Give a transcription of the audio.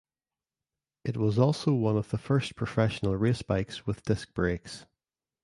It was also one of the first professional race bikes with disc brakes.